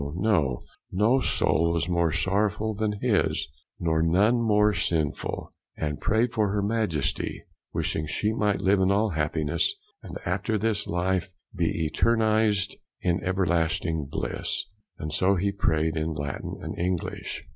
No soul was more sorrowful than his, nor none more sinful; and prayed for her Majesty, wishing she might live in all happiness, and after this life, be eternized in everlasting bliss; and so he prayed in Latin and English.